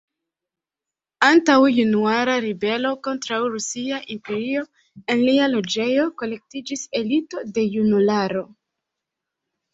Antaŭ Januara Ribelo kontraŭ Rusia Imperio en lia loĝejo kolektiĝis elito de junularo.